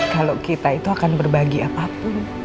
kalau kita itu akan berbagi apapun